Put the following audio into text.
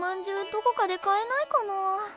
どこかで買えないかなあ。